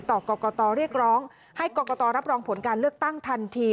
กรกตเรียกร้องให้กรกตรับรองผลการเลือกตั้งทันที